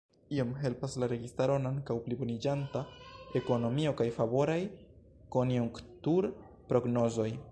Iom helpas la registaron ankaŭ pliboniĝanta ekonomio kaj favoraj konjunktur-prognozoj.